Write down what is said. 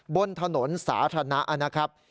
บนถนนสาธารณะนะครับ